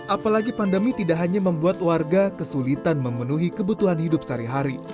apalagi pandemi tidak hanya membuat warga kesulitan memenuhi kebutuhan hidup sehari hari